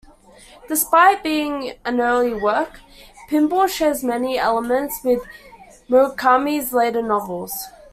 Despite being an early work, "Pinball" shares many elements with Murakami's later novels.